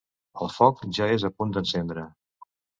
El foc ja és a punt d'encendre.